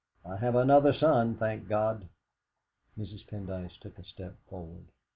I have another son, thank God!" Mrs. Pendyce took a step forward.